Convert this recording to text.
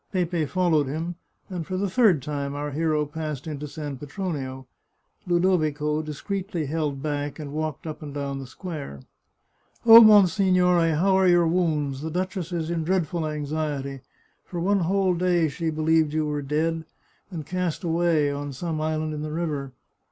Pepe followed him, and for the third time our hero passed into San Petronio. Ludovico discreetly held back, and walked up and down the square. " Oh, monsignore, how are your wounds ? The duchess is in dreadful anxiety. For one whole day she believed you were dead, and cast away on some island in the river.